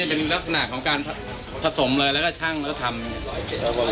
นี่เป็นลักษณะของการผสมเลยแล้วก็ชั่งแล้วก็ทำแล้วก็มี